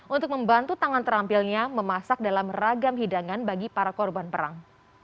untuk membantu tangan terampilnya memasak dalam ragam hidangan bagi para korban perang